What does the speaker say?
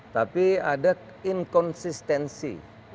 tapi ada inkonsistensi